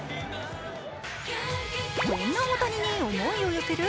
そんな大谷に思いを寄せる？